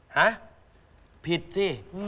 ฮะผิดสิ